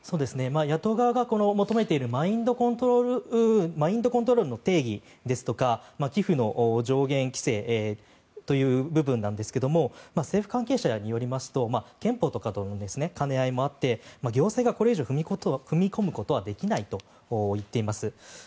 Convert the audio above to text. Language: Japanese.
野党側が求めているマインドコントロールの定義ですとか寄付の上限規制という部分なんですが政府関係者によりますと憲法などとの兼ね合いもあって行政がこれ以上踏み込むことはできないと言っています。